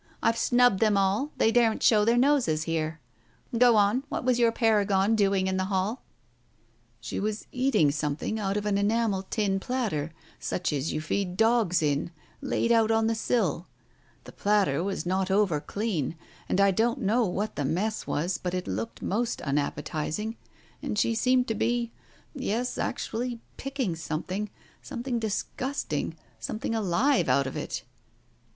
I've snubbed them all, they daren't show their noses here. Go on. What was your paragon doing in the hall ?" "She was eating something out of an enamel tin platter such as you feed dogs in, laid on the sill. The platter was not over clean, and I don't know what the mess was, but it looked most unappetizing and she seemed to be — yes, actually picking something — some thing disgusting — something alive out of it. ...!